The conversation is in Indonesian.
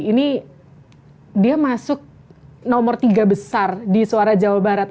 ini dia masuk nomor tiga besar di suara jawa barat